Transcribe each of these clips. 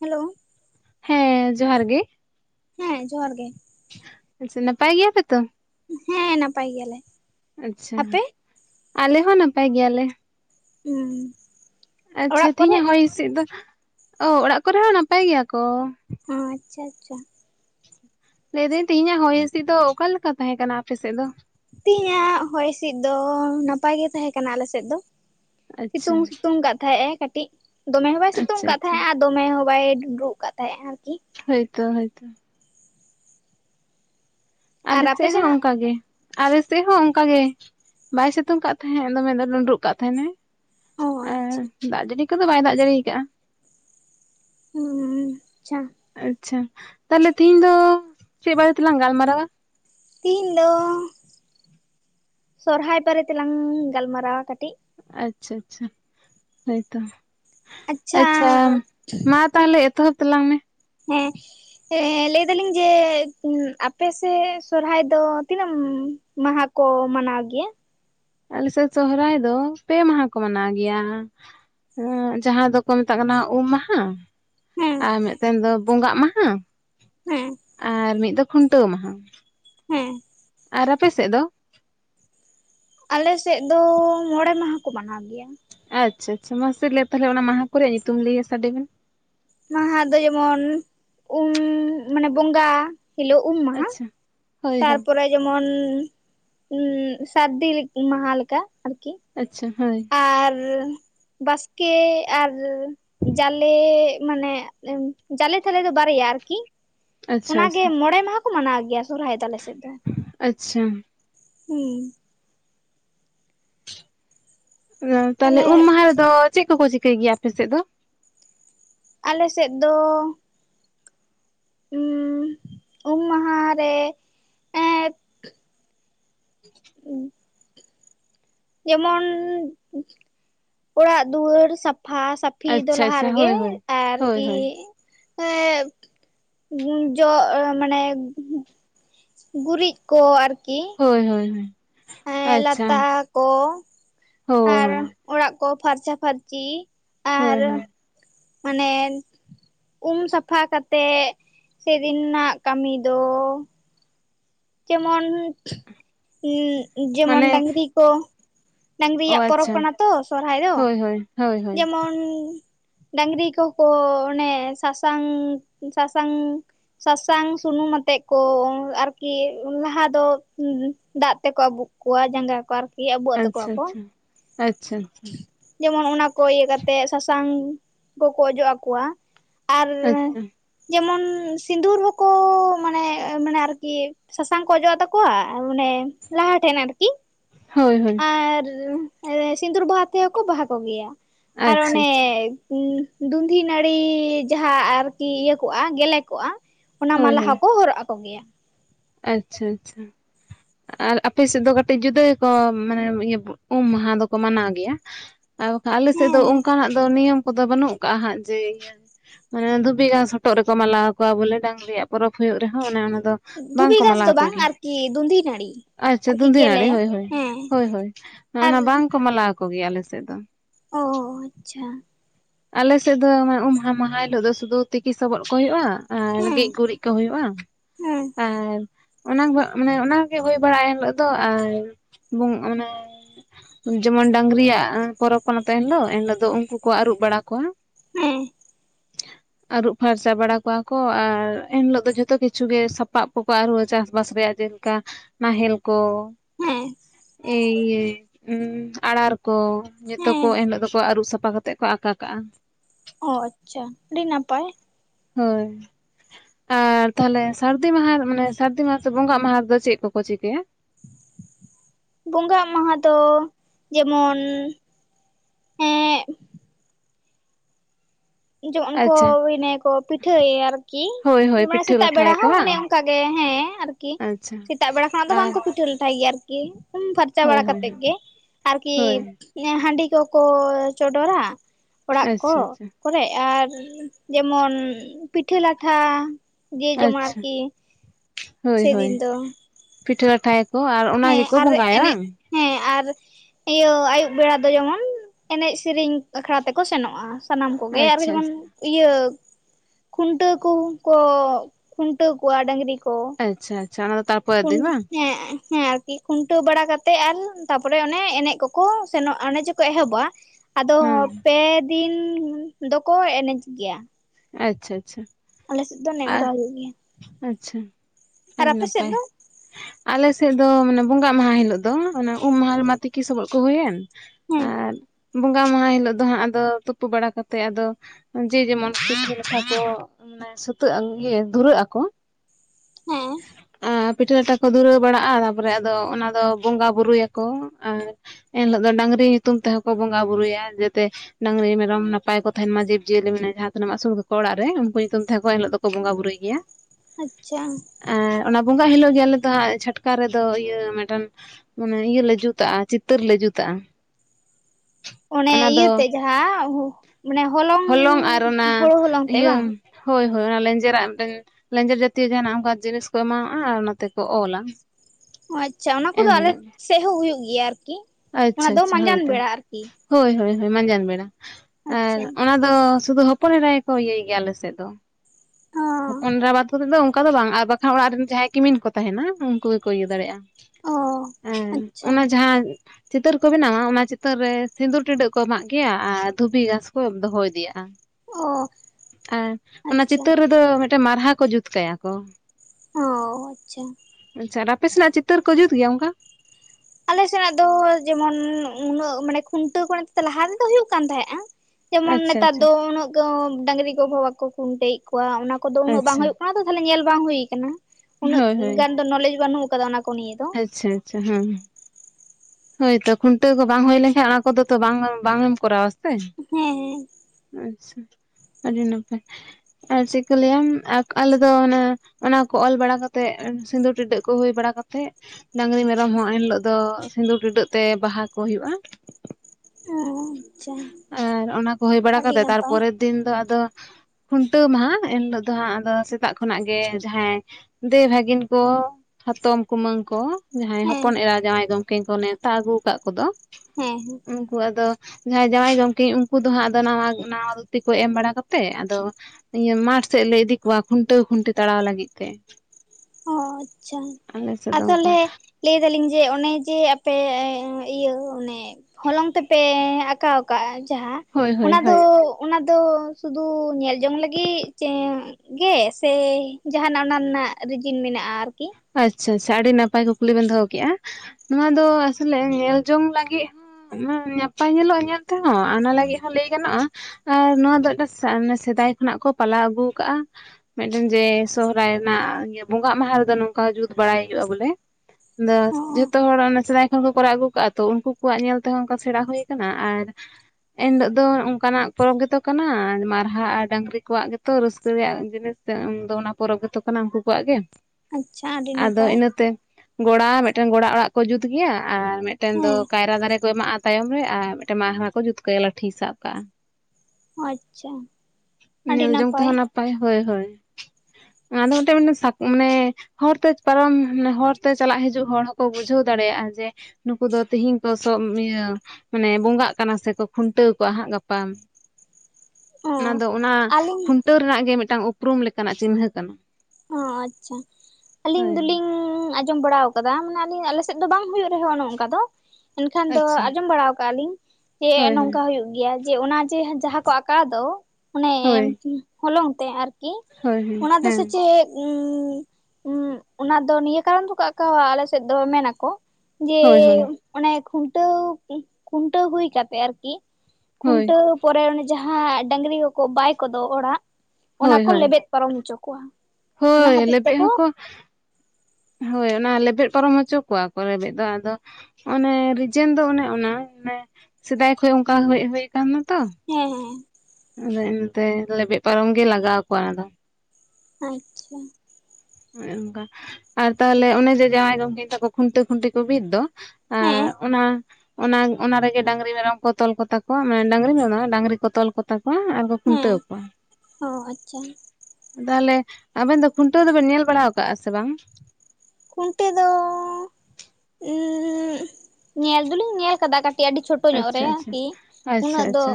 Hello ᱦᱮᱸ ᱡᱚᱦᱟᱨ ᱜᱮ ᱦᱮᱸ ᱡᱚᱦᱟᱨ ᱜᱮ ᱟᱪᱪᱷᱟ ᱱᱟᱯᱟᱭ ᱜᱮᱭᱟᱯᱮ ᱛᱚ? ᱦᱮᱸ ᱱᱟᱯᱟᱭ ᱜᱮᱭᱟᱞᱮ ᱟᱪᱷᱟ ᱟᱯᱮ ᱟᱞᱮ ᱦᱚᱸ ᱱᱟᱯᱟᱭ ᱜᱮᱭᱟ ᱞᱮ ᱦᱩᱸ ᱟᱪᱪᱷᱟ ᱚᱲᱟᱜ ᱠᱚᱨᱮ ᱛᱦᱤᱧᱟᱜ ᱦᱚᱭ ᱪᱮᱫ ᱫᱚ ᱚ ᱚᱲᱟᱜ ᱠᱚᱨᱮ ᱦᱚᱸ ᱱᱟᱯᱟᱭ ᱜᱮᱭᱟ ᱠᱚ ᱚ ᱟᱪᱷᱟ ᱟᱪᱷᱟ ᱞᱟᱹᱭᱫᱟᱹᱧ ᱛᱮᱦᱤᱧᱟᱜ ᱦᱚᱭ ᱦᱤᱸᱥᱤᱫ ᱫᱚ ᱚᱠᱟ ᱞᱮᱠᱟ ᱛᱟᱦᱮᱸ ᱠᱟᱱᱟ ᱟᱯᱮ ᱥᱮᱫ ᱫᱚ? ᱛᱮᱦᱤᱧᱟᱜ ᱦᱚᱭ ᱦᱸᱤᱥᱤᱫ ᱫᱚ ᱱᱟᱯᱟᱭ ᱜᱮ ᱛᱟᱸᱦᱮ ᱠᱟᱱᱟ ᱟᱞᱮ ᱥᱮᱫ ᱫᱚ ᱟᱪᱪᱷᱟ ᱥᱤᱛᱩᱝ ᱥᱤᱛᱩᱝ ᱠᱟᱜ ᱛᱟᱦᱮᱸᱜ ᱮ ᱠᱟᱹᱴᱤᱡ ᱫᱚᱢᱮ ᱦᱚᱸ ᱵᱟᱭ ᱥᱤᱛᱩᱝ ᱟᱪᱪᱷᱟ ᱠᱟᱫ ᱟᱪᱪᱷᱟ ᱛᱟᱦᱮᱸᱜᱼᱟ ᱫᱚᱢᱮ ᱦᱚᱸ ᱵᱟᱭ ᱰᱩᱸᱰᱨᱩᱜ ᱠᱟᱫ ᱛᱟᱦᱮᱸᱜ ᱟᱨᱠᱤ ᱦᱳᱭ ᱛᱚ ᱦᱳᱭ ᱛᱚ ᱟᱨ ᱟᱞᱮᱥᱮᱫ ᱟᱯᱮ ᱦᱚᱸ ᱥᱮᱱᱟᱜ ᱚᱱᱠᱟ ᱜᱮ ᱟᱞᱮ ᱥᱮᱫ ᱦᱚᱸ ᱚᱱᱠᱟᱟᱜ ᱜᱮ ᱵᱟᱭ ᱥᱤᱛᱩᱝ ᱠᱫ ᱛᱟᱦᱮᱸᱫ ᱫᱚᱢᱮ ᱫᱚ ᱰᱩᱸᱰᱨᱩᱜ ᱠᱟᱜ ᱛᱟᱦᱮᱸ ᱱᱟᱭ᱾ ᱚᱻ ᱟᱪᱷᱟ ᱫᱟᱜ ᱡᱟᱹᱲᱤ ᱠᱚᱫᱚ ᱵᱟᱭ ᱫᱟᱜ ᱡᱟᱹᱲᱤ ᱟᱠᱟᱫᱼᱟ ᱦᱩᱸ ᱟᱪᱷᱟ ᱟᱪᱷᱟ ᱛᱟᱦᱚᱞᱮ ᱛᱤᱦᱤᱧ ᱫᱚ ᱪᱮᱫ ᱵᱟᱨᱮ ᱛᱮᱞᱟᱝ ᱜᱟᱞᱢᱟᱨᱟᱣᱟ ᱛᱤᱦᱤᱧ ᱫᱚ ᱥᱚᱨᱦᱟᱭ ᱵᱟᱨᱮ ᱛᱮᱞᱟᱝ ᱜᱟᱞᱢᱟᱨᱟᱣᱟ ᱠᱟᱹᱴᱤᱡ ᱟᱪᱷᱟ ᱟᱪᱷᱟ ᱦᱭᱛᱚ ᱟᱪᱪᱷᱟ ᱟᱪᱷᱟ ᱢᱟ ᱛᱟᱦᱚᱞᱮ ᱮᱛᱚᱦᱚᱵ ᱛᱟᱞᱟᱝ ᱢᱮ ᱦᱮᱸᱻ ᱦᱮᱸ ᱞᱟᱹᱭᱫᱟᱞᱤᱧ ᱡᱮ ᱟᱯᱮᱥᱮᱫ ᱥᱚᱨᱦᱟᱭ ᱫᱚ ᱛᱤᱱᱟᱹᱜ ᱢᱟᱦᱟ ᱠᱚ ᱢᱟᱱᱟᱣ ᱜᱮᱭᱟ᱾ ᱟᱞᱮ ᱥᱮᱫ ᱥᱚᱦᱦᱟᱭ ᱫᱚ ᱯᱮ ᱢᱟᱦᱟ ᱠᱚ ᱢᱟᱱᱟᱣ ᱜᱮᱭᱟ ᱡᱟᱦᱟᱸ ᱫᱚᱠᱚ ᱢᱮᱛᱟᱜ ᱠᱟᱱᱟ ᱩᱢ ᱢᱟᱦᱟ ᱦᱮᱸ ᱟᱨ ᱢᱤᱫᱴᱮᱱ ᱫᱚ ᱵᱚᱸᱜᱟᱜ ᱢᱟᱦᱟ, ᱦᱮᱸ ᱟᱨ ᱢᱤᱫ ᱫᱚ ᱠᱷᱩᱱᱴᱟᱹᱣ ᱢᱟᱦᱟ᱾ ᱦᱮᱸ ᱟᱨ ᱟᱯᱮ ᱥᱮᱫ ᱫᱚ ᱟᱞᱮᱥᱮᱫ ᱫᱚ ᱢᱚᱬᱮ ᱢᱟᱦᱟ ᱠᱚ ᱢᱟᱱᱟᱣ ᱜᱮᱭᱟ ᱟᱪᱪᱷᱟ ᱪᱷᱟ ᱪᱷᱟ ᱢᱟᱥᱮ ᱞᱟᱹᱭ ᱛᱟᱦᱚᱞᱮ ᱚᱱᱟ ᱢᱟ ᱠᱚᱨᱮ ᱨᱮᱭᱟᱜ ᱧᱩᱛᱩᱢ ᱞᱟᱹᱭ ᱥᱟᱰᱮ ᱢᱮ᱾ ᱢᱟᱦᱟ ᱫᱚ ᱡᱮᱢᱚᱱ ᱩᱢ ᱢᱟᱱᱮ ᱵᱚᱸᱜᱟ ᱦᱤᱞᱚᱜ ᱩᱢ ᱢᱟᱦᱟ ᱟᱪᱪᱷᱟ ᱦᱳᱭ ᱦᱳᱭ ᱛᱟᱨᱯᱚᱨᱮ ᱡᱮᱢᱚᱱ ᱩᱸᱻ ᱥᱟᱹᱨᱫᱤ ᱢᱟᱦᱟ ᱞᱮᱠᱟ ᱟᱨᱠᱤ ᱟᱪᱷᱟ ᱦᱳᱭ ᱟᱨ ᱵᱟᱥᱠᱮ ᱟᱨ ᱡᱟᱞᱮ ᱢᱟᱱᱮ, ᱡᱟᱞᱮ ᱛᱟᱞᱮ ᱫᱚ ᱵᱟᱨᱭᱟ ᱟᱨᱠᱤ᱾ ᱟᱪᱪᱷᱟ ᱚᱱᱟᱜᱮ ᱟᱪᱪᱷᱟ ᱢᱚᱬᱮ ᱢᱟᱦᱟ ᱠᱚ ᱢᱟᱱᱟᱣ ᱜᱮᱭᱟ ᱥᱚᱨᱦᱟᱭ ᱫᱚ ᱟᱞᱮ ᱥᱮᱫ ᱫᱚ ᱟᱪᱪᱷᱟ ᱦᱮᱸ ᱛᱟᱦᱞᱮ ᱛᱟᱦᱚᱞᱮ ᱩᱢ ᱢᱟᱦᱟ ᱨᱮᱫᱚ ᱪᱮᱫ ᱠᱚᱠᱚ ᱪᱤᱠᱟᱹᱭ ᱜᱮᱭᱟ ᱟᱯᱮᱥᱮᱫ ᱫᱚ ᱟᱞᱮᱥᱮᱫ ᱫᱚ ᱩᱸᱻ ᱩᱢ ᱢᱟᱦᱟ ᱨᱮ ᱩᱸᱻ ᱡᱮᱢᱚᱱ ᱚᱲᱟᱜ ᱫᱩᱣᱟᱹᱨ ᱥᱟᱯᱷᱟ ᱥᱟᱯ ᱯᱷᱤ ᱫᱚ ᱟᱪᱪᱷᱟ ᱞᱟᱦᱟ ᱟᱪᱪᱷᱟ ᱨᱮᱜᱮ ᱦᱳᱭ ᱦᱳᱭ ᱦᱳᱭ ᱟᱨᱠᱤ ᱦᱳᱭ ᱮᱸᱠ ᱡᱚᱜ ᱢᱟᱱᱮ ᱜᱩᱨᱤᱡ ᱠᱚ ᱟᱨᱠᱤ ᱦᱳᱭ ᱦᱳᱭ ᱦᱳᱭ᱾ ᱦᱮᱸ ᱟᱪᱪᱷᱟ ᱞᱟᱛᱟ ᱠᱚ ᱦᱳᱭ ᱟᱨ ᱦᱳᱭ ᱚᱲᱟᱜ ᱠᱚ ᱯᱷᱟᱨᱪᱟ ᱯᱷᱟᱹᱨᱪᱤ ᱦᱳᱭ ᱦᱳᱭ᱾ ᱢᱟᱱᱮ ᱩᱢ ᱥᱟᱯᱷᱟ ᱠᱟᱛᱮᱜ ᱥᱮᱫᱤᱱ ᱱᱟᱜ ᱠᱟᱹᱢᱤ ᱫᱚ ᱡᱮᱢᱚᱱ ᱡᱮᱢᱚᱱ ᱢᱟᱱᱮ ᱰᱟᱝᱨᱤ ᱠᱚ ᱰᱟᱝᱨᱤᱭᱟᱜ ᱯᱚᱨᱚᱵᱽ ᱠᱟᱱᱟ ᱛᱚ ᱥᱚᱨᱦᱟᱭ ᱫᱚ᱾ ᱦ ᱦᱳ ᱡᱮᱢᱚᱱ ᱰᱟᱝᱨᱤ ᱠᱚᱠᱚ ᱚᱱᱮ ᱥᱟᱥᱟᱝ ᱥᱟᱥᱟᱝ ᱥᱟᱥᱟᱝ ᱥᱩᱱᱩᱢ ᱟᱛᱮᱜᱠᱩ ᱟᱨᱠᱤ ᱞᱟᱦᱟ ᱫᱚ ᱫᱟᱜ ᱛᱮᱠᱚ ᱟᱵᱩᱠ ᱠᱚᱳᱣᱟ ᱡᱟᱸᱜᱟ ᱠᱚᱟᱨ ᱟᱪᱷᱟ ᱟᱪᱷᱟ ᱟᱪᱷᱟ ᱡᱮᱢᱚᱱ ᱚᱱᱟ ᱠᱚ ᱤᱭᱟᱹ ᱠᱟᱛᱮᱜ ᱥᱟᱥᱟᱝ ᱠᱚ ᱠᱚ ᱚᱡᱚᱜ ᱟᱠᱚᱣᱟ ᱟᱨ ᱟᱪᱪᱷᱟ ᱡᱮᱢᱚᱱ ᱥᱤᱸᱫᱩᱨ ᱦᱚᱸᱠᱚ ᱢᱟᱱᱮ ᱢᱟᱱᱮ ᱟᱨᱠᱤ ᱥᱟᱥᱟᱝ ᱠᱚ ᱚᱡᱚᱜ ᱛᱟᱠᱚᱣᱟ ᱚᱱᱮ ᱞᱟᱦᱟ ᱴᱷᱮᱱ ᱟᱨᱠᱤ ᱦᱳᱭ ᱦᱳᱭ ᱟᱨ ᱤᱭᱟᱹ ᱥᱤᱸᱫᱩᱨ ᱵᱟᱦᱟ ᱛᱮᱦᱚᱸ ᱠᱚ ᱵᱟᱦᱟ ᱠᱚᱜᱮᱭᱟ ᱟᱨ ᱟᱪᱪᱷᱟ ᱚᱱᱮ ᱟᱪᱪᱷᱟ ᱦᱩᱸ ᱫᱩᱸᱫᱷᱤ ᱱᱟᱹᱲᱤ ᱡᱟᱦᱟᱸ ᱟᱨᱠᱤ ᱤᱭᱟᱹ ᱠᱚᱜᱼᱟ ᱜᱮᱞᱮ ᱠᱚᱚᱜᱼᱟ ᱚᱱᱟ ᱦᱳᱭ ᱢᱟᱞᱟ ᱦᱳᱭ ᱦᱚᱸᱠᱚ ᱦᱚᱨᱚᱜ ᱟᱠᱚ ᱜᱮᱭᱟ ᱟᱪᱪᱷᱟ ᱟᱪᱪᱷᱟ [inaudible] ᱟᱨ ᱟᱯᱮ ᱥᱮᱫ ᱫᱚ ᱠᱟᱹᱴᱤᱡ ᱡᱩᱫᱟᱹ ᱜᱮᱠᱚ ᱢᱟᱱᱮ ᱤᱭᱟᱹ ᱩᱢ ᱢᱟᱦᱟ ᱫᱚᱠᱚ ᱢᱟᱱᱟᱣ ᱜᱮᱭᱟ ᱟᱨ ᱵᱟᱠᱷᱟᱡ ᱟᱞᱮ ᱥᱮᱫ ᱫᱚ ᱦᱮᱸ ᱚᱱᱠᱟᱱᱟᱜ ᱫᱚ ᱱᱤᱭᱚᱢ ᱠᱚᱫᱚ ᱵᱟᱹᱱᱩᱜ ᱟᱠᱟᱜᱼᱟ ᱦᱟᱸᱜ ᱡᱮ ᱤᱟᱹ ᱢᱟᱱᱮ ᱫᱷᱩᱵᱤ ᱜᱷᱟᱸᱥ ᱦᱚᱴᱚᱜ ᱨᱮᱠᱚ ᱢᱟᱞᱟᱣᱟᱠᱚᱣᱟ ᱵᱚᱞᱮ ᱰᱟᱝᱨᱤᱭᱟᱜ ᱯᱚᱨᱚᱵᱽ ᱦᱩᱭᱩᱜ ᱨᱮᱦᱚᱸ ᱚᱱᱮ ᱚᱱᱟ ᱫᱚ ᱫᱷᱩᱵᱤ ᱵᱟᱝᱠᱚ ᱜᱷᱟᱥ ᱢᱟᱞᱟ ᱫᱚ ᱟᱠᱚ ᱵᱟᱝ ᱜᱮᱭᱟ ᱟᱨᱠᱤ ᱫᱩᱸᱫᱷᱤ ᱱᱟᱹᱲᱤ ᱟᱪᱪᱷᱟ ᱟᱨᱠᱤ ᱫᱩᱱᱫᱤ ᱜᱮᱞᱮ ᱱᱟᱲᱤ ᱦᱳᱭ ᱦᱮᱸ ᱦᱳᱭ ᱦᱳᱭ ᱟᱨ ᱚᱱᱟ ᱵᱟᱝᱠᱚ ᱢᱟᱞᱟᱣ ᱟᱠᱚ ᱜᱮᱭᱟ ᱟᱞᱮ ᱥᱮᱫ ᱫᱚ ᱚᱦ ᱟᱪᱪᱷᱟ ᱟᱞᱮᱥᱮᱫ ᱫᱚ ᱚᱱᱟ ᱩᱢᱦᱟ ᱢᱟᱦᱟ ᱦᱤᱞᱳᱜ ᱫᱚ ᱥᱩᱫᱷᱩ ᱛᱤᱠᱤ ᱥᱚᱵᱚᱫ ᱠᱚ ᱦᱩᱭᱩᱜᱼᱟ ᱟᱨ ᱜᱮᱡ ᱜᱩᱨᱤᱡ ᱠᱚ ᱦᱩᱭᱩᱜᱼᱟ ᱦᱩᱸ ᱟᱨ ᱚᱱᱟ ᱢᱟᱱᱮ ᱚᱱᱟᱜᱮ ᱦᱩᱭ ᱵᱟᱲᱟᱜᱼᱟ ᱮᱱ ᱦᱤᱞᱳᱜ ᱫᱚ ᱟᱨ ᱵᱟᱝ ᱚᱱᱟ ᱡᱮᱢᱚᱱ ᱰᱟᱝᱨᱤᱭᱟᱜ ᱯᱚᱨᱚᱵᱽ ᱠᱟᱱᱟ ᱛᱚ ᱮᱱ ᱦᱤᱞᱳᱜ ᱮᱱᱦᱤᱞᱳᱜ ᱫᱚ ᱩᱝᱠᱩ ᱠᱚ ᱟᱹᱨᱩᱵ ᱵᱟᱲᱟ ᱠᱚᱣᱟ ᱦᱮᱸ ᱟᱹᱨᱩᱯ ᱯᱷᱟᱨᱪᱟ ᱵᱟᱲᱟ ᱠᱚᱣᱟ ᱠᱚ ᱟᱨ ᱮᱱᱦᱤᱞᱳᱜ ᱫᱚ ᱡᱷᱚᱛᱚ ᱠᱤᱪᱷᱩ ᱜᱮ ᱥᱟᱯ ᱥᱟᱵ ᱠᱚᱠᱚ ᱟᱹᱨᱩᱵᱟᱹ ᱪᱟᱥᱵᱟᱥ ᱨᱮᱭᱟᱜ ᱡᱮᱞᱮᱠᱟ ᱱᱟᱦᱮᱞ ᱠᱚ ᱦᱮᱸ ᱮᱸ ᱤᱸᱳ ᱩᱸ ᱟᱨᱟᱲ ᱠᱚ ᱡᱚᱛᱚ ᱠᱚ ᱦᱮᱸ ᱮᱱᱤᱞᱚᱜ ᱫᱚᱠᱚ ᱟᱹᱨᱩᱵ ᱥᱟᱯᱟ ᱠᱟᱛᱮ ᱠᱚ ᱟᱠᱟ ᱠᱟᱜᱼᱟ ᱟᱪᱪᱷᱟ ᱟᱹᱰᱤ ᱱᱟᱯᱟᱭ ᱦᱳᱭ ᱟᱨ ᱛᱟᱦᱞᱮ ᱥᱟᱹᱨᱫᱤ ᱢᱟᱦᱟ ᱢᱟᱱᱮ ᱥᱟᱹᱨᱫᱤ ᱢᱟᱦᱟ ᱥᱮ ᱵᱚᱸᱜᱟᱜ ᱢᱟᱦᱟ ᱨᱮᱫᱚ ᱪᱮᱫ ᱠᱚᱠᱚ ᱪᱤᱠᱟᱹᱭᱟ ᱵᱚᱸᱜᱟᱜ ᱢᱟᱦᱟ ᱫᱚ ᱡᱮᱢᱚᱱ ᱦᱮᱸᱜ ᱡᱳᱜ ᱚᱱᱠᱚ ᱟᱪᱪᱷᱟ ᱦᱩᱭᱱᱟᱠᱚ ᱯᱤᱴᱷᱟᱹᱭᱟ ᱟᱨᱠᱤ ᱦᱳᱭ ᱦᱳᱭ ᱢᱟᱱᱮ ᱯᱤᱴᱷᱟᱹ ᱥᱮᱛᱟᱜ ᱵᱮᱲᱟ ᱞᱟᱴᱷᱟᱭᱟᱠᱚ ᱦᱚᱸ ᱵᱟᱝ ᱚᱱᱮ ᱚᱱᱠᱟ ᱜᱮ ᱦᱮᱸ ᱟᱨᱠᱤ ᱟᱪᱪᱷᱟ ᱥᱮᱛᱟᱜ ᱵᱮᱲᱟ ᱠᱷᱚᱱᱟᱜ ᱫᱚ ᱟᱨ ᱵᱟᱝᱠᱚ ᱯᱤᱴᱷᱟᱹ ᱞᱟᱴᱷᱟᱭ ᱜᱮᱭᱟ ᱟᱨᱠᱤ ᱩᱢ ᱯᱷᱟᱨᱪᱟ ᱵᱟᱲᱟ ᱦᱳᱭ ᱦᱳᱭ ᱠᱟᱛᱮᱫ ᱜᱮ ᱟᱨᱠᱤ ᱦᱳᱭ ᱤᱭᱟᱹ ᱦᱟᱺᱰᱤ ᱠᱚᱠᱚ ᱪᱚᱰᱚᱨᱟ ᱚᱲᱟᱜ ᱠᱚ ᱟᱪᱪᱷᱟ ᱟᱪᱪᱷᱟ ᱠᱚᱨᱮ ᱟᱨ ᱡᱮᱢᱚᱱ ᱯᱤᱴᱷᱟᱹ ᱞᱟᱴᱷᱟ ᱡᱮ ᱡᱮᱢᱚᱱ ᱟᱪᱪᱷᱟ ᱟᱨᱠᱤ ᱦᱳᱭ ᱦᱳᱭ ᱥᱮᱫᱤᱱ ᱫᱚ ᱯᱤᱴᱷᱟᱹ ᱞᱟᱴᱷᱟᱭᱟᱠᱚ ᱟᱨ ᱚᱱᱟ ᱦᱮᱸ ᱜᱮᱠᱚ ᱟᱨ ᱵᱚᱸᱜᱟᱭᱟ ᱮᱱᱮᱡ ᱵᱟᱝ ᱦᱮᱸ ᱟᱨ ᱤᱭᱟᱹ ᱟᱹᱭᱩᱵ ᱵᱮᱲᱟ ᱫᱚ ᱡᱮᱢᱚᱱ ᱮᱱᱮᱡ ᱥᱮᱨᱮᱧ ᱟᱠᱷᱲᱟ ᱛᱮᱠᱚ ᱥᱮᱱᱚᱜᱼᱟ ᱥᱟᱱᱟᱢ ᱠᱚᱜᱮ ᱟᱨ ᱟᱪᱪᱷᱟ ᱡᱮᱢᱚᱱ ᱟᱪᱪᱷᱟ ᱤᱭᱟᱹ ᱠᱷᱩᱱᱴᱟᱹᱣ ᱠᱩ-ᱠᱚ ᱠᱷᱩᱱᱴᱟᱹᱣ ᱠᱚᱣᱟ ᱰᱟᱹᱝᱨᱤ ᱠᱚ ᱟᱪᱪᱷᱟ ᱟᱪᱪᱷᱟ ᱚᱱᱟ ᱫᱚ ᱛᱟᱨᱯᱚᱨᱮᱨ ᱠᱷᱩᱱ ᱫᱤᱱ ᱵᱟᱝ ᱦᱮᱸ ᱦᱮᱸ ᱟᱨᱠᱤ ᱠᱷᱩᱱᱴᱟᱹᱣ ᱵᱟᱲᱟ ᱠᱟᱛᱮᱜ ᱟᱨ ᱛᱟᱨᱯᱚᱨᱮ ᱚᱱᱮ ᱮᱱᱮᱡ ᱠᱚᱠᱚ ᱥᱮᱱᱚᱜᱼᱟ ᱚᱱᱮ ᱡᱮᱠᱚ ᱮᱦᱚᱵᱟ ᱟᱫᱚ ᱦᱮᱸ ᱯᱮ ᱫᱤᱱ ᱫᱚᱠᱚ ᱮᱱᱮᱡ ᱜᱮᱭᱟ ᱟᱪᱪᱷᱟ ᱟᱪᱪᱷᱟ ᱟᱞᱮ ᱥᱮᱫ ᱫᱚ ᱚᱱᱮ ᱚᱱᱠᱟ ᱟᱨ ᱦᱩᱭᱩᱜ ᱜᱮᱭᱟ ᱟᱪᱪᱷᱟ ᱟᱨ ᱟᱹᱰᱤ ᱟᱯᱮ ᱥᱮᱫ ᱱᱟᱯᱟᱭ ᱫᱚ ᱟᱞᱮᱥᱮᱫ ᱫᱚ ᱢᱟᱱᱮ ᱵᱚᱸᱜᱟ ᱢᱟᱦᱟᱸ ᱦᱤᱞᱳᱜ ᱫᱚ ᱚᱱᱮ ᱩᱸᱢ ᱢᱟᱦᱟ ᱨᱮᱢᱟ ᱛᱤᱠᱤ ᱥᱚᱵᱚᱫ ᱠᱚ ᱦᱩᱭᱮᱱ ᱦᱮᱸ ᱟᱨ ᱵᱚᱸᱜᱟ ᱢᱟᱦᱟᱸ ᱦᱤᱞᱳᱜ ᱫᱚ ᱦᱟᱸᱜ ᱟᱫᱚ ᱛᱩᱯᱩ ᱵᱟᱲᱟ ᱠᱟᱛᱮ ᱟᱫᱚ ᱡᱮ ᱡᱮᱢᱚᱱ ᱯᱤᱴᱷᱟᱹ ᱞᱟᱴᱷᱟ ᱠᱚ ᱢᱟᱱᱮ ᱥᱟᱹᱛᱟᱹᱜ-ᱟ ᱤᱭᱟᱹ ᱫᱷᱩᱨᱟᱹᱜ-ᱟ ᱠᱚ ᱦᱮᱸ [inaudible] ᱯᱤᱴᱷᱟᱹ ᱞᱟᱴᱷᱟ ᱠᱚ ᱫᱷᱩᱨᱟᱹᱣ ᱵᱟᱲᱟᱜᱼᱟ ᱛᱟᱨᱯᱚᱨᱮ ᱟᱫᱚ ᱚᱱᱟ ᱫᱚ ᱵᱚᱸᱜᱟ ᱵᱩᱨᱩᱭᱟᱠᱚ ᱟᱨ ᱮᱱ ᱦᱤᱞᱳᱜ ᱫᱚ ᱰᱟᱝᱨᱤ ᱧᱩᱛᱩᱢ ᱛᱮᱦᱚᱸ ᱠᱚ ᱵᱚᱸᱜᱟ ᱵᱩᱨᱩᱭᱟ ᱡᱟᱛᱮ ᱰᱟᱝᱨᱤ ᱢᱮᱨᱚᱢ ᱱᱟᱯᱟᱭ ᱠᱚ ᱛᱟᱦᱮᱱ ᱢᱟ ᱡᱤᱵᱽ ᱡᱤᱭᱟᱹᱞᱤ ᱢᱟᱱᱮ ᱡᱟᱦᱟᱸ ᱛᱤᱱᱟᱹᱜ ᱮᱢ ᱟᱥᱩᱞ ᱟᱠᱚᱣᱟ ᱟᱲᱟᱜ ᱨᱮ ᱩᱱᱠᱩ ᱧᱩᱛᱩᱢ ᱛᱮᱦᱚᱸ ᱠᱚ ᱮᱱᱦᱤᱞᱳᱜ ᱫᱚᱠᱚ ᱵᱚᱸᱜᱟ ᱵᱩᱨᱩᱭ ᱜᱮᱭᱟ ᱾ [inaudible] ᱟᱪᱪᱷᱟ ᱦᱮ ᱚᱱᱟ ᱵᱚᱸᱜᱟᱜ ᱦᱤᱞᱚᱜ ᱜᱮ ᱟᱞᱮ ᱫᱚ ᱦᱟᱸᱜ ᱪᱷᱟᱴᱠᱟ ᱨᱮᱫᱚ ᱤᱭᱟᱹ ᱢᱮᱫᱴᱮᱱ ᱚᱱᱮ ᱤᱭᱟᱹ ᱞᱮ ᱡᱩᱛᱟᱜᱼᱟ ᱪᱤᱛᱟᱹᱨ ᱞᱮ ᱡᱩᱛᱟᱜᱼᱟ᱾ ᱚᱱᱮ ᱚᱱᱟ ᱫᱚ ᱤᱭᱟᱹᱛᱮ ᱡᱟᱦᱟᱸ ᱢᱟᱱᱮ ᱦᱚᱞᱚᱝ ᱟᱨ ᱚᱱᱟ ᱦᱳᱲᱳ ᱦᱚᱞᱚᱝ ᱛᱮ ᱤᱭᱟᱹ ᱵᱟᱝ ᱦᱳᱭ ᱦᱳᱭ ᱚᱱᱟ ᱞᱮᱸᱡᱮᱨᱟᱜ ᱢᱤᱫᱴᱟᱱ ᱞᱮᱸᱡᱮᱨ ᱡᱟᱛᱤᱭᱚ ᱡᱟᱦᱟᱱᱟᱜ ᱚᱱᱠᱟ ᱡᱤᱱᱤᱥ ᱠᱚ ᱮᱢᱟᱣᱟᱜᱼᱟ ᱟᱨ ᱱᱚᱛᱮ ᱠᱚ ᱚᱞᱟ᱾ ᱟᱪᱪᱷᱟ ᱚᱱᱟ ᱠᱚᱫᱚ ᱟᱞᱮ ᱮᱱᱦᱤᱞᱳᱜ ᱜᱮ᱾ ᱥᱮᱫ ᱦᱚᱸ ᱦᱩᱭᱩᱜ ᱜᱮᱭᱟ ᱟᱨᱠᱤ ᱚᱱᱟ ᱟᱪᱪᱷᱟ ᱫᱚ ᱟᱪᱪᱷᱟ ᱢᱟᱡᱟᱱ ᱦᱳᱭᱛᱚ ᱵᱮᱲᱟ ᱟᱨᱠᱤ ᱦᱳᱭ ᱦᱳᱭ ᱦᱳᱭ ᱢᱟᱡᱟᱱ ᱵᱮᱲᱟ ᱟᱨ ᱟᱪᱪᱷᱟ ᱚᱱᱟ ᱚᱻ ᱥᱩᱫᱷᱩ ᱦᱚᱯᱚᱱ ᱮᱨᱟᱭ ᱠᱚ ᱤᱭᱟᱹᱭ ᱜᱮᱭᱟ ᱟᱞᱮ ᱥᱮᱫ ᱫᱚ ᱚ ᱦᱚᱯᱚᱱ ᱮᱨᱟ ᱵᱟᱫᱽ ᱠᱟᱛᱮᱫ ᱫᱚ [inaudible] ᱚᱱᱠᱟ ᱫᱚ ᱵᱟᱝ ᱟᱨ ᱵᱟᱠᱷᱟᱱ ᱚᱲᱟᱜ ᱨᱮᱱ ᱡᱟᱦᱟᱸᱭ ᱠᱤᱢᱤᱱ ᱠᱚ ᱛᱟᱦᱮᱱᱟ ᱩᱱᱠᱩ ᱜᱮᱠᱚ ᱤᱭᱟᱹ ᱫᱟᱲᱮᱭᱟᱜᱼᱟ ᱚ ᱾ ᱟᱨ ᱟᱪᱪᱷᱟ ᱚᱱᱟ ᱡᱟᱦᱟᱸ ᱪᱤᱛᱟᱹᱨ ᱠᱚ ᱵᱮᱱᱟᱣᱟ ᱚᱱᱟ ᱪᱤᱛᱟᱹᱨ ᱨᱮ ᱥᱤᱸᱫᱩᱨ ᱴᱤᱰᱟᱹᱜ ᱠᱚ ᱮᱢᱟᱜ ᱜᱮᱭᱟ ᱟᱨ ᱫᱷᱩᱵᱤ ᱜᱷᱟᱥ ᱠᱚ ᱫᱚᱦᱚ ᱤᱫᱤᱭᱟᱜᱼᱟ ᱾ ᱚ ᱟᱨ ᱚᱱᱟ ᱟᱪᱪᱷᱟ ᱪᱤᱛᱟᱹᱨ ᱨᱮᱫᱚ ᱢᱤᱫᱴᱮᱱ ᱢᱟᱨᱦᱟ ᱠᱚ ᱡᱩᱛ ᱠᱟᱭᱟ ᱠᱚ ᱚᱻ ᱟᱪᱪᱷᱟ᱾ ᱟᱪᱪᱷᱟ ᱟᱨ ᱟᱯᱮ ᱥᱮᱱᱟᱜ ᱪᱤᱛᱟᱹᱨ ᱠᱚ ᱡᱩᱛ ᱜᱮᱭᱟ ᱚᱝᱠᱟ ᱾ ᱟᱞᱮ ᱥᱮᱱᱟᱜ ᱫᱚ ᱡᱮᱢᱚᱱ ᱩᱱᱟᱹᱜ ᱢᱟᱱᱮ ᱠᱷᱩᱱᱴᱟᱹᱣ ᱠᱚ ᱮᱱᱛᱮ ᱞᱟᱦᱟ ᱨᱮᱫᱚ ᱦᱩᱭᱩᱜ ᱠᱟᱱ ᱛᱟᱦᱮᱸᱜᱼᱟ᱾ ᱡᱮᱢᱚᱱ ᱟᱪᱪᱷᱟ ᱱᱮᱛᱟᱨ ᱟᱪᱪᱷᱟ ᱫᱚ ᱩᱱᱟᱹᱜ ᱫᱚ ᱰᱟᱝᱨᱤ ᱠᱚᱦᱚᱸ ᱵᱟᱠᱚ ᱠᱷᱩᱱᱴᱟᱹᱣ ᱮᱫ ᱠᱚᱣᱟ [unintelligible] ᱚᱱᱟ ᱠᱚᱫᱚ ᱩᱱᱟᱹᱜ ᱵᱟᱝ ᱟᱪᱪᱷᱟ ᱦᱩᱭᱩᱜ ᱠᱟᱱᱟ ᱛᱚ ᱛᱟᱦᱚᱞᱮ ᱧᱮᱞ ᱵᱟᱝ ᱦᱩᱭ ᱠᱟᱱᱟ ᱾ ᱩᱱᱟᱹᱜ ᱦᱳᱭ ᱦᱳᱭ ᱜᱟᱱ ᱫᱚ ᱱᱚᱞᱮᱡᱽ ᱵᱟᱹᱱᱩᱜ ᱟᱠᱟᱫᱟ ᱚᱱᱟ ᱠᱚ ᱱᱤᱭᱮ ᱫᱚ ᱾ ᱟᱪᱪᱷᱟ ᱟᱪᱪᱷᱟ ᱦᱚᱸ᱾ ᱦᱳᱭ ᱛᱚ ᱠᱷᱩᱱᱴᱟᱹᱣ ᱠᱚ ᱵᱟᱝ ᱦᱳᱭ ᱞᱮᱱᱠᱷᱟᱱ ᱚᱱᱟ ᱠᱚᱫᱚ ᱛᱚ ᱵᱟᱝ ᱵᱟᱝ ᱮᱢ ᱠᱚᱨᱟᱣᱟ ᱥᱮ᱾ ᱦᱮᱻ ᱟᱪᱪᱷᱟ ᱟᱹᱰᱤ ᱱᱟᱯᱟᱭ, ᱟᱨ ᱪᱮᱫ ᱠᱚ ᱞᱟᱹᱭᱟ ᱟᱞᱮ ᱫᱚ ᱚᱱᱟ ᱚᱱᱟ ᱠᱚ ᱚᱞ ᱵᱟᱲᱟ ᱠᱟᱛᱮᱜ ᱥᱤᱸᱫᱩᱨ ᱴᱤᱰᱟᱹᱜ ᱠᱚ ᱦᱩᱭ ᱵᱟᱲᱟ ᱠᱟᱛᱮᱜ ᱰᱟᱝᱨᱤ ᱢᱮᱨᱚᱢ ᱦᱚᱸ ᱮᱱ ᱦᱤᱞᱳᱜ ᱫᱚ ᱥᱤᱸᱫᱩᱨ ᱴᱤᱰᱟᱹᱜ ᱛᱮ ᱵᱟᱦᱟ ᱠᱚ ᱦᱩᱭᱩᱜᱼᱟ ᱾ ᱚᱸᱻ ᱟᱨ ᱚᱱᱟ ᱠᱚ ᱦᱩᱭ ᱵᱟᱲᱟ ᱠᱟᱛᱮ ᱛᱟᱨ ᱱᱟᱯᱟᱭ ᱯᱚᱨᱮᱨ ᱫᱤᱱ ᱫᱚ ᱟᱫᱚ ᱠᱷᱩᱱᱴᱟᱹᱣ ᱢᱟᱦᱟ ᱮᱱᱦᱤᱞᱚᱜ ᱫᱚ ᱦᱟᱸᱜ ᱟᱫᱚ ᱥᱮᱛᱟᱜ ᱠᱷᱚᱱᱟᱜ ᱜᱮ ᱡᱟᱦᱟᱸᱭ ᱫᱮᱹᱵᱷᱟᱜᱤᱱ ᱠᱚ ᱦᱟᱛᱚᱢ ᱠᱩᱢᱟᱹᱝ ᱠᱚ ᱡᱟᱦᱟᱸᱭ ᱦᱮᱸ ᱦᱚᱯᱚᱱ ᱮᱨᱟ ᱡᱟᱶᱟᱭ ᱜᱚᱢᱠᱮᱧ ᱠᱚ ᱱᱮᱶᱛᱟ ᱟᱹᱜᱩ ᱠᱟᱜ ᱠᱚᱫᱚ ᱦᱚᱸ ᱦᱚᱸ ᱩᱱᱠᱩ ᱟᱫᱚ ᱡᱟᱦᱟᱸᱭ ᱡᱟᱶᱟᱭ ᱜᱚᱢᱠᱮᱧ ᱩᱱᱠᱩ ᱫᱚ ᱦᱟᱸᱜ ᱟᱫᱚ ᱱᱟᱣᱟ ᱱᱟᱣᱟ ᱫᱷᱩᱛᱤ ᱠᱚ ᱮᱢ ᱵᱟᱲᱟ ᱠᱟᱛᱮ ᱟᱫᱚ ᱤᱭᱟᱹ ᱢᱟᱴᱷ ᱥᱮᱫ ᱞᱮ ᱤᱫᱤ ᱠᱚᱣᱟ ᱠᱷᱩᱱᱴᱟᱹᱣ ᱠᱷᱩᱱᱴᱤ ᱛᱟᱲᱟᱣ ᱞᱟᱹᱜᱤᱫ ᱛᱮ᱾ ᱚᱻ ᱟᱪᱪᱷᱟ ᱟᱞᱮ ᱥᱮᱫ ᱫᱚ ᱚᱱᱠᱟ ᱟᱥᱚᱞᱮ ᱞᱟᱹᱭ ᱫᱟᱹᱞᱤᱧ ᱡᱮ ᱚᱱᱮ ᱡᱮ ᱟᱯᱮ, ᱤᱭᱟᱹ ᱚᱱᱮ ᱦᱚᱞᱚᱝ ᱛᱮᱯᱮ ᱟᱠᱟᱶ ᱠᱟᱜ-ᱟ ᱡᱟᱦᱟᱸ ᱦᱳᱭ ᱦᱳᱭ ᱚᱱᱟ ᱫᱚᱻ ᱦᱳᱭ ᱚᱱᱟ ᱫᱚ ᱥᱩᱫᱩ ᱧᱮᱞ ᱡᱚᱝ ᱞᱟᱹᱜᱤᱫ ᱪᱮ ᱜᱮ ᱥᱮ ᱡᱟᱦᱟᱸᱱᱟᱜ ᱚᱱᱟ ᱨᱮᱱᱟᱜ ᱨᱤᱡᱤᱱ ᱢᱮᱱᱟᱜᱼᱟ ᱟᱨᱠᱤ? ᱟᱪᱪᱷᱟ ᱟᱪᱪᱷᱟ ᱟᱹᱰᱤ ᱱᱟᱯᱟᱭ ᱠᱩᱠᱞᱤ ᱵᱤᱱ ᱫᱚᱦᱚ ᱠᱮᱜ-ᱟ, ᱱᱚᱣᱟ ᱫᱚ ᱟᱥᱚᱞᱮ ᱧᱮᱞᱡᱚᱝ ᱞᱟᱹᱜᱤᱫ ᱚᱱᱟ ᱱᱟᱯᱟᱭ ᱧᱮᱞᱚᱜᱼᱟ ᱧᱮᱞ ᱛᱮᱦᱚᱸ ᱚᱱᱟ ᱞᱟᱹᱜᱤᱫ ᱦᱚᱸ ᱞᱟᱹᱭ ᱜᱟᱱᱚᱜᱼᱟ ᱾ ᱟᱨ ᱱᱚᱣᱟ ᱫᱚ ᱢᱤᱫᱴᱟᱹᱝ ᱦᱟᱱᱮ ᱥᱮᱫᱟᱭ ᱠᱷᱚᱱᱟᱜ ᱠᱚ ᱯᱟᱞᱟᱣ ᱟᱹᱜᱩ ᱟᱠᱟᱜᱼᱟ ᱾ ᱢᱤᱫᱴᱮᱱ ᱡᱮ ᱥᱚᱦᱚᱨᱟᱭ ᱨᱮᱱᱟᱜ ᱤᱭᱟᱹ ᱵᱚᱸᱜᱟᱜ ᱢᱟᱦᱟ ᱨᱮᱫᱚ ᱱᱚᱝ ᱠᱟ ᱡᱩᱛ ᱵᱟᱲᱟᱭ ᱦᱩᱭᱩᱜᱼᱟ ᱵᱚᱞᱮ ᱟᱫᱚ ᱚ ᱡᱷᱚᱛᱚ ᱦᱚᱲᱟᱜ ᱢᱟᱥᱮ ᱦᱚᱸ ᱠᱚ ᱠᱚᱨᱟᱣ ᱟᱹᱜᱩ ᱠᱟᱜᱼᱟ ᱛᱚ ᱩᱱᱠᱩ ᱠᱚᱣᱟᱜ ᱧᱮᱞ ᱛᱮᱦᱚᱸ ᱚᱱᱠᱟ ᱥᱮᱬᱟ ᱦᱩᱭ ᱟᱠᱟᱱᱟ ᱟᱨ ᱮᱱᱦᱤᱞᱚᱜ ᱫᱚ ᱚᱱᱠᱟ ᱱᱟᱜ ᱯᱚᱨᱚᱵᱽ ᱜᱮᱛᱚ ᱠᱟᱱᱟ, ᱢᱟᱨᱦᱟ ᱟᱨ ᱰᱟᱝᱨᱤ ᱠᱚᱣᱟᱜ ᱜᱮᱛᱚ ᱨᱟᱹᱥᱠᱟᱹ ᱨᱮᱭᱟᱜ ᱡᱤᱱᱤᱥ ᱾ [unintelligible] ᱩᱱᱫᱚ ᱚᱱᱟ ᱯᱚᱨᱚᱵᱽ ᱜᱮᱛᱚ ᱠᱟᱱᱟ ᱩᱱᱠᱩ ᱠᱚᱣᱟᱜ ᱜᱮ ᱾ ᱟᱪᱪᱷᱟ [unintelligible] ᱟᱫᱚ ᱤᱱᱟᱹᱛᱮ ᱜᱚᱲᱟ ᱢᱤᱫᱴᱮᱱ ᱜᱚᱲᱟ ᱚᱲᱟᱜ ᱠᱚ ᱡᱩᱛ ᱜᱮᱭᱟ ᱟᱨ ᱢᱤᱫᱴᱮᱱ ᱫᱚ ᱦᱮᱸ ᱠᱟᱭᱨᱟ ᱫᱟᱨᱮ ᱠᱚ ᱮᱢᱟᱜᱼᱟ ᱛᱟᱭᱚᱢ ᱨᱮ ᱟᱨ ᱢᱤᱫᱴᱮᱱ ᱢᱟ ᱠᱚ ᱡᱩᱛᱠᱟᱭᱟ ᱞᱟᱹᱴᱷᱤᱭ ᱥᱟᱵ ᱠᱟᱜᱼᱟ ᱟᱪᱪᱷᱟ ᱧᱮᱞ ᱡᱚᱝ ᱛᱮᱦᱚᱸ ᱱᱟᱯᱟᱭ ᱦᱳᱭ ᱦᱳᱭ ᱟᱫᱚ [inaudible] ᱥᱟ ᱢᱟᱱᱮ ᱦᱚᱨ ᱛᱮ ᱯᱟᱨᱚᱢ ᱦᱚᱨᱛᱮ ᱪᱟᱞᱟᱜ ᱦᱤᱡᱩᱜ ᱦᱚᱲ ᱦᱚᱸᱠᱚ ᱵᱩᱡᱷᱟᱹᱣ ᱫᱟᱲᱮᱭᱟᱜᱼᱟ ᱡᱮ ᱱᱩᱠᱩ ᱫᱚ ᱛᱤᱦᱤᱧ ᱠᱚ ᱤᱭᱟᱹ ᱢᱟᱱᱮ ᱵᱚᱸᱜᱟᱜ ᱠᱟᱱᱟ ᱥᱮᱠᱚ ᱠᱷᱩᱱᱴᱟᱹᱣ ᱠᱚᱜᱣᱟ ᱦᱟᱸᱜ ᱜᱟᱯᱟ ᱚ ᱚᱱᱟᱫᱚ ᱚᱱᱟ ᱟᱹᱞᱤᱧ ᱠᱷᱩᱱᱴᱟᱹᱣ ᱨᱮᱱᱟᱜ ᱜᱮ ᱢᱤᱫᱴᱟᱝ ᱩᱯᱨᱩᱢ ᱞᱮᱠᱟᱱᱟᱜ ᱪᱤᱱᱦᱟᱹ ᱠᱟᱱᱟ ᱚ ᱟᱪᱪᱷᱟ ᱟᱹᱞᱤᱧ ᱦᱳᱭ ᱦᱳᱭ ᱫᱚᱞᱤᱧ ᱡᱚᱢ ᱵᱟᱲᱟ ᱟᱠᱟᱫᱟ ᱢᱟᱱᱮ ᱟᱞᱮ ᱥᱮᱫ ᱫᱚ ᱵᱟᱝ ᱦᱩᱭᱩᱜ ᱨᱮᱦᱚᱸ ᱚᱱᱮ ᱚᱱᱠᱟ ᱫᱚ ᱮᱱᱠᱷᱟᱱ ᱫᱚ ᱟᱪᱪᱷᱟ ᱟᱸᱡᱚᱢ ᱵᱟᱲᱟ ᱟᱠᱟᱜᱼᱟ ᱞᱤᱧ ᱡᱮ ᱦᱳᱭ ᱦᱳᱭ ᱱᱚᱝᱠᱟ ᱦᱩᱭᱩᱜ ᱜᱮᱭᱟ ᱡᱮ ᱚᱱᱟ ᱡᱮ ᱡᱟᱦᱟᱸ ᱠᱚ ᱟᱠᱟᱸᱣ ᱫᱚ ᱚᱱᱮ ᱦᱳᱭ ᱦᱚᱞᱚᱝ ᱛᱮ ᱟᱨᱠᱤ ᱦᱳᱭ ᱦᱳᱭ ᱚᱱᱟ ᱫᱚ ᱥᱮ ᱦᱮᱸ ᱩ ᱚᱱᱟ ᱫᱚ ᱱᱤᱭᱟᱹ ᱠᱟᱨᱚᱱ ᱫᱚ ᱟᱠᱟᱣᱟ ᱟᱞᱮᱥᱮᱫ ᱫᱚ ᱢᱮᱱᱟᱠᱚ ᱡᱮ ᱦᱳᱭ ᱦᱳᱭ ᱚᱱᱮ ᱠᱷᱩᱱᱴᱟᱹᱣ ᱠᱷᱩᱱᱴᱟᱹᱣ ᱦᱩᱭ ᱠᱟᱛᱮ ᱟᱨᱠᱤ ᱦᱳᱭ ᱠᱷᱩᱱᱴᱟᱹᱣ ᱯᱚᱨᱮ ᱚᱱᱮ ᱡᱟᱦᱟᱸ ᱰᱟᱝᱨᱤ ᱠᱚᱠᱚ ᱵᱟᱭ ᱠᱚᱫᱚ ᱚᱲᱟᱜ ᱚᱱᱟ ᱦᱳᱭ ᱠᱚ ᱦᱳᱭ ᱞᱮᱵᱮᱫ ᱯᱟᱨᱚᱢ ᱚᱪᱚ ᱠᱚᱣᱟ ᱚᱱᱟ ᱦᱳᱭ ᱦᱚᱛᱮᱡ ᱞᱮᱵᱮᱫ ᱛᱮᱠᱚ ᱦᱚᱸᱠᱚ ᱦᱳᱭ ᱚᱱᱟ ᱞᱮᱵᱮᱫ ᱯᱟᱨᱚᱢ ᱦᱚᱪᱚ ᱠᱚᱣᱟ ᱠᱚ ᱞᱮᱵᱮᱫ ᱫᱚ ᱟᱫᱚ ᱚᱱᱮ ᱨᱤᱡᱮᱱ ᱫᱚ ᱚᱱᱮ ᱚᱱᱟ ᱦᱮ ᱥᱮᱫᱟᱭ ᱠᱷᱚᱱ ᱚᱱᱠᱟ ᱦᱮᱡ ᱦᱩᱭ ᱠᱟᱱᱟᱛᱚ ᱦᱮᱸ ᱦᱮᱸ ᱟᱫᱚ ᱮᱱᱛᱮ ᱞᱮᱵᱮᱫ ᱯᱟᱨᱚᱢ ᱜᱮ ᱞᱟᱜᱟᱣᱠᱚᱣᱟ ᱚᱱᱟ ᱫᱚ ᱟᱪᱷᱟ ᱚᱱ ᱚᱱᱠᱟ ᱟᱨ ᱛᱟᱦᱚᱞᱮ ᱚᱱᱮ ᱡᱮ ᱡᱟᱶᱟᱭ ᱜᱚᱝᱠᱤᱱ ᱛᱟᱠᱚ ᱠᱷᱩᱱᱴᱟᱹ ᱠᱷᱩᱱᱴᱤ ᱠᱚ ᱵᱤᱫ ᱫᱚ ᱟᱨ ᱦᱮᱸ ᱚᱱᱟ ᱚᱱᱟ ᱚᱱᱟ ᱨᱮᱜᱮ ᱰᱟᱹᱟᱝᱨᱤ ᱢᱮᱨᱚᱢ ᱠᱚ ᱛᱚᱞ ᱠᱚᱛᱟ ᱠᱚᱣᱟ ᱢᱮ ᱰᱟᱝᱨᱤ ᱢᱮ ᱰᱟᱝᱨᱤ ᱠᱚ ᱛᱚᱞ ᱠᱚᱛᱟ ᱠᱚᱣᱟ ᱦᱮᱸ ᱠᱷᱩᱱᱟᱹᱣ ᱠᱚᱣᱟ ᱚ ᱟᱪᱪᱷᱟ ᱛᱟᱦᱚᱞᱮ ᱟᱵᱮᱱ ᱫᱚ ᱠᱷᱩᱱᱴᱟᱹᱣ ᱵᱚᱱ ᱧᱮᱞ ᱵᱟᱲᱟ ᱟᱠᱟᱫᱟ ᱥᱮ ᱵᱟᱝ ᱠᱷᱩᱱᱴᱤᱟᱹ ᱫᱚ ᱧᱮᱞ ᱫᱚᱞᱤᱧ ᱧᱮᱞ ᱟᱠᱟᱫᱟ ᱠᱟᱹᱴᱤᱡ ᱟᱹᱰᱤ ᱪᱷᱚᱴᱳ ᱚ ᱧᱚᱜ ᱨᱮ ᱟᱪᱪᱷᱟ ᱟᱨ ᱟᱪᱪᱷᱟ ᱠᱤ ᱟᱪᱪᱷᱟ ᱩᱱᱟᱹᱜ ᱫᱚ ᱟᱪᱪᱷᱟ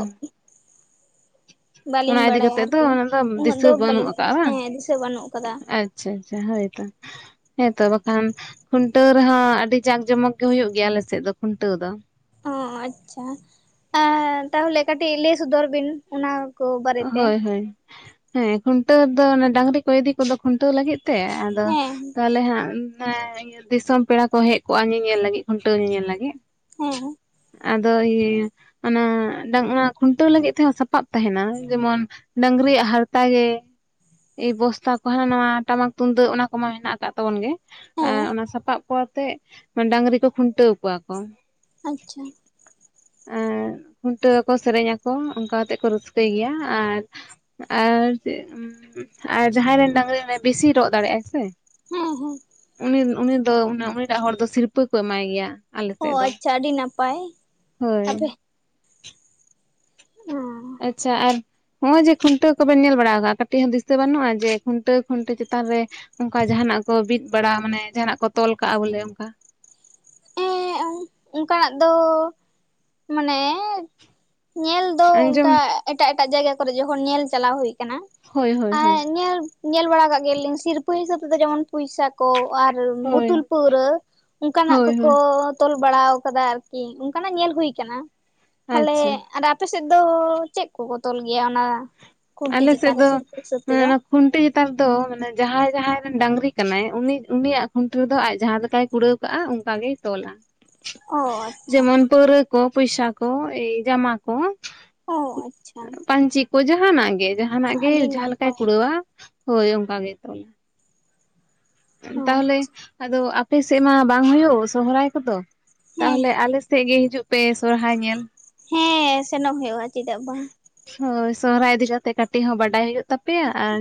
ᱚᱱᱟ ᱵᱟᱹᱞᱤᱧ ᱤᱫᱤ ᱵᱟᱲᱟᱭᱟ ᱠᱟᱛᱮ ᱫᱚ ᱟᱨᱠᱤ ᱚᱱᱟ ᱫᱚ ᱩᱱᱟᱹᱜ ᱫᱤᱥᱟᱹ ᱫᱚ ᱵᱟᱹᱱᱩᱜ ᱵᱟᱹᱞᱤᱧ ᱟᱠᱟᱫᱼᱟ ᱵᱟᱝ ᱟ? ᱦᱮᱸ ᱫᱤᱥᱟᱹ ᱵᱟᱹᱱᱩᱜ ᱠᱟᱫᱟ ᱟᱪᱪᱷᱟ ᱟᱪᱪᱷᱟ ᱦᱳᱭᱛᱚ ᱦᱮᱸᱛᱚ ᱵᱟᱠᱷᱟᱱ ᱠᱷᱩᱱᱴᱟᱹᱣ ᱨᱮᱦᱚᱸ ᱟᱹᱰᱤ ᱡᱟᱠ ᱡᱚᱢᱚᱠ ᱜᱮ ᱦ ᱦᱩᱭᱩᱜ ᱜᱮᱭᱟ ᱟᱞᱮᱥᱮᱫ ᱫᱚ ᱠᱷᱩᱱᱴᱟᱹᱣ ᱫᱚ ᱚ ᱟᱪᱪᱷᱟ ᱛᱟᱦᱚᱞᱮ ᱠᱟᱹᱴᱤᱡ ᱞᱟᱹᱭ ᱥᱚᱫᱚᱨ ᱵᱤᱱ ᱚᱱᱟ ᱠᱚ ᱵᱟᱨᱮᱛᱮ ᱦᱳᱭ ᱦᱳᱭ ᱦᱮᱸ ᱠᱷᱩᱱᱴᱟᱹᱣ ᱫᱚ ᱰᱟᱝᱨᱤ ᱠᱚ ᱤᱫᱤ ᱠᱚᱫᱚ ᱠᱷᱩᱱᱴᱟᱹᱣ ᱞᱟᱹᱜᱤᱫ ᱛᱮ ᱟᱫᱚ ᱦᱮᱸ ᱛᱟᱦᱚᱞᱮ ᱦᱟᱸᱜ ᱫᱤᱥᱚᱢ ᱯᱮᱲᱟ ᱠᱚ ᱦᱮᱡ ᱠᱚᱜᱼᱟ ᱧᱮᱧᱮᱞ ᱞᱟᱹᱜᱤᱫ ᱠᱷᱩᱱᱴᱟᱹᱣ ᱧᱮᱧᱮᱞ ᱞᱟᱹᱜᱤᱫ ᱦᱮᱸ ᱟᱫᱚ ᱤᱭᱟᱹ ᱚᱱᱟ ᱚᱱᱟ ᱠᱷᱩᱱᱴᱟᱹᱣ ᱞᱟᱹᱜᱤᱫ ᱛᱮᱦᱚᱸ ᱥᱟᱯᱟᱵ ᱛᱟᱦᱮᱱᱟ ᱡᱮᱢᱚᱱ ᱰᱝᱨᱤᱭᱟᱜ ᱦᱟᱨᱛᱟ ᱜᱮ ᱮᱭ ᱵᱚᱥᱛᱟ ᱠᱚ ᱦᱟᱱᱟ ᱱᱚᱣᱟ ᱴᱟᱢᱟᱠ ᱛᱩᱢᱫᱟᱹᱜ ᱚᱱᱟ ᱠᱚᱢᱟ ᱢᱮᱱᱟᱜ ᱟᱠᱟᱫ ᱛᱟᱵᱚᱱ ᱜᱮ ᱦᱮᱸ ᱚᱱᱟ ᱥᱟᱯᱟᱵ ᱚ ᱟᱛᱮ ᱰᱟᱝᱨᱤ ᱠᱚ ᱠᱷᱩᱱᱴᱟᱹᱣ ᱠᱚᱣᱟ ᱠᱚ ᱟᱪᱪᱷᱟ ᱟᱨ ᱠᱷᱩᱱᱴᱟᱹᱣ ᱟᱠᱚ ᱥᱮᱨᱮᱧ ᱟᱠᱚ ᱚᱱᱠᱟ ᱠᱟᱛᱮᱫ ᱠᱚ ᱨᱟᱹᱥᱠᱟᱹᱭ ᱜᱮᱭᱟ ᱟᱨ ᱟᱨ ᱟᱨ ᱡᱟᱦᱟᱸᱭ ᱨᱮᱱ ᱰᱟᱝᱨᱤ ᱵᱮᱥᱤ ᱨᱚᱜ ᱫᱟᱲᱮᱭᱟᱜ ᱟᱭ ᱥᱮ ᱦᱮᱸ ᱦᱮᱸ ᱩᱱᱤ ᱩᱱᱤ ᱫᱚ ᱩᱱᱤ ᱴᱟᱜ ᱦᱚᱲ ᱫᱚ ᱥᱤᱨᱯᱟᱹ ᱠᱚ ᱮᱢᱟᱭ ᱜᱮᱭᱟ ᱟᱞᱮ ᱚ ᱥᱮᱫ ᱫᱚ ᱟᱪᱪᱷᱟ ᱟᱹᱰᱤ ᱱᱟᱯᱟᱭ ᱦᱳᱭ ᱚ ᱟᱪᱷᱟ ᱟᱨ ᱱᱚᱜ ᱚᱭ ᱡᱮ ᱠᱷᱩᱱᱴᱟᱹ ᱠᱚᱵᱮᱱ ᱧᱮᱞ ᱵᱟᱲᱟ ᱟᱠᱟᱟᱜᱼᱟ ᱠᱟᱹᱴᱤᱡ ᱦᱚᱸ ᱫᱤᱥᱟᱹ ᱵᱟᱹᱱᱩᱜᱼᱟ ᱡᱮ ᱠᱷᱩᱱᱟᱹ ᱠᱷᱩᱱᱟᱹ ᱪᱮᱛᱟᱱ ᱨᱮ ᱚᱱᱠᱟ ᱡᱟᱦᱟᱱᱟᱜ ᱠᱚ ᱵᱤᱫ ᱵᱟᱲᱟ ᱢᱟᱱᱮ ᱡᱟᱦᱟᱱᱟᱜ ᱠᱚ ᱛᱚᱞ ᱠᱟᱜᱼᱟ ᱵᱚᱞᱮ ᱚᱱᱠᱟ ᱦᱮᱸ ᱚᱱᱠᱟᱱᱟᱜ ᱫᱚ, ᱢᱟᱱᱮ ᱧᱮᱞ ᱫᱚ ᱟᱸᱡᱚᱢ ᱚᱱᱠᱟ ᱮᱴᱟᱜ ᱮᱴᱟᱜ ᱡᱟᱭᱜᱟ ᱠᱚᱨᱮ ᱡᱚᱠᱷᱚᱱ ᱧᱮᱞ ᱪᱟᱞᱟᱣ ᱦᱩᱭ ᱠᱟᱱᱟ, ᱦᱳᱭ ᱦᱳᱭ ᱦᱳᱭ ᱮᱸᱜ ᱧᱮᱞ ᱧᱮᱞ ᱵᱟᱲᱟ ᱠᱟᱜ ᱜᱮᱭᱟᱞᱤᱧ ᱥᱤᱨᱯᱟᱹ ᱦᱤᱥᱟᱹᱵ ᱛᱮᱫᱚ, ᱡᱮᱢᱚᱱ ᱯᱚᱭᱥᱟ ᱠᱚ ᱟᱨ ᱦᱳᱭ ᱵᱳᱛᱩᱞ ᱯᱟᱹᱨᱟᱹ ᱚᱱᱠᱟᱱᱟᱜ ᱦᱳᱭ ᱠᱚ, ᱦᱳᱭ ᱠᱚ ᱛᱚᱞ ᱵᱟᱲᱟ ᱟᱠᱟᱫᱟ ᱟᱨᱠᱤ ᱚᱱᱠᱟᱱᱟᱜ ᱧᱮᱞ ᱦᱩᱭ ᱟᱠᱟᱱᱟ ᱛᱟᱦᱚ ᱞᱮ ᱟᱪᱪᱷᱟ ᱟᱯᱮ ᱥᱮᱫ ᱫᱚ ᱪᱮᱫ ᱠᱚᱠᱚ ᱛᱚᱞ ᱜᱮᱭᱟ ᱚᱱᱟ ᱠᱷᱩᱱᱴᱤ ᱟᱞᱮ ᱪᱮᱛᱟᱱ ᱥᱮᱫ ᱨᱮ ᱫᱚ ᱥᱤᱨᱯᱟᱹ ᱦᱤᱥᱟᱹᱵ ᱢᱟᱱᱮ ᱛᱮᱫᱚ? ᱚᱱᱟ ᱠᱷᱩᱱᱴᱤ ᱪᱮᱛᱟᱱ ᱨᱮᱫᱚ ᱢᱟᱱᱮ ᱡᱟᱦᱟᱸᱭ ᱡᱟᱦᱟᱸᱭ ᱨᱮᱱ ᱰᱟᱝᱨᱤ ᱠᱟᱱᱟᱭ ᱩᱱᱤ ᱩᱱᱤᱭᱟᱜ ᱠᱷᱩᱱᱴᱤ ᱨᱮᱫᱚ ᱟᱡ ᱡᱟᱦᱟᱸ ᱞᱮᱠᱟᱭ ᱠᱩᱲᱟᱹᱣ ᱠᱟᱜᱼᱟ ᱚᱱᱠᱟ ᱜᱮᱭ ᱛᱚᱞᱟ᱾ ᱚ ᱟᱪᱪᱷᱟ᱾ ᱡᱮᱢᱚᱱ ᱯᱟᱹᱣᱨᱟᱹ ᱠᱚ ᱯᱚᱭᱥᱟ ᱠᱚ ᱮᱭ ᱡᱟᱢᱟ ᱠᱚ ᱚ ᱟᱪᱪᱷᱟ ᱪᱤᱜ ᱠᱚ ᱡᱟᱸᱦᱟᱱᱟᱜ ᱜᱮ ᱡᱟᱸᱦᱟᱱᱟᱜ ᱜᱮ ᱟᱹᱰᱤ ᱡᱟᱦᱟᱸ ᱞᱮᱠᱟᱭ ᱱᱟᱯᱟᱭ ᱠᱩᱲᱟᱹᱣᱟ ᱦᱳᱭ ᱚᱱᱠᱟ ᱜᱮ ᱛᱚᱞᱟ᱾ ᱦᱚᱸ ᱛᱟᱦᱚᱞᱮ ᱟᱫᱚ ᱟᱯᱮ ᱥᱮᱫ ᱢᱟ ᱵᱟᱝ ᱦᱩᱭᱩᱜ ᱥᱚᱦᱚᱨᱟᱭ ᱠᱚᱫᱚ, ᱦᱮᱸ ᱛᱟᱦᱚᱞᱮ ᱟᱞᱮ ᱥᱮᱫ ᱜᱮ ᱦᱤᱡᱩᱜ ᱯᱮ ᱥᱚᱦᱚᱨᱟᱭ ᱧᱮᱞ᱾ ᱦᱮᱸ ᱥᱮᱱᱚᱜ ᱦᱩᱭᱩᱜᱼᱟ ᱪᱮᱫᱟᱜ ᱵᱟᱝ᱾ ᱦᱳᱭ ᱥᱚᱦᱚᱨᱟᱭ ᱤᱫᱤ ᱠᱟᱛᱮᱜ ᱠᱟᱹᱴᱤᱡ ᱦᱚᱸ ᱵᱟᱰᱟᱭ ᱦᱩᱭᱩᱜ ᱛᱟᱯᱮᱭᱟ ᱟᱨ